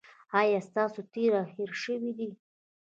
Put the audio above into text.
ایا ستاسو تیره هیره شوې ده؟